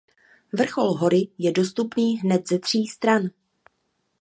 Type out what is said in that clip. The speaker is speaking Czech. Vrchol hory je dostupný hned ze tří stran.